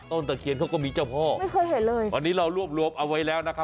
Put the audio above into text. ต้นตะเขียนเขาก็มีเจ้าพ่ออันนี้เรารวบเอาไว้แล้วนะคะ